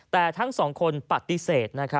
แต่ทั้งสองคนปฏิเสธ